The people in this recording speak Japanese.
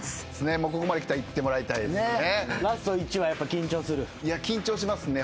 ここまできたらいってもらいたいですよね。